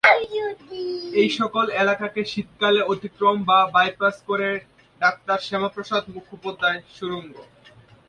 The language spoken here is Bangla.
এই সকল এলাকাকে শীতকালে অতিক্রম বা বাইপাস করে ডাক্তার শ্যামাপ্রসাদ মুখোপাধ্যায় সুড়ঙ্গ।